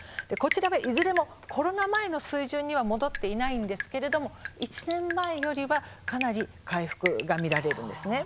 こちらはいずれもコロナ前の水準に戻っていないんですが１年前よりは、かなり回復が見られます。